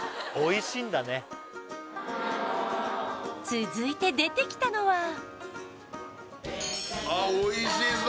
続いて出てきたのはおいしそう！